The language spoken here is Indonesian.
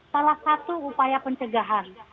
salah satu upaya pencegahan